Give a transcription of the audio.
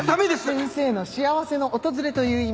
先生の幸せの訪れという意味だ。